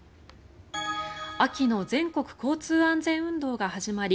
秋の全国交通安全運動が始まり